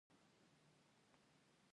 د موقتې ادارې جوړول د توافقاتو برخه وه.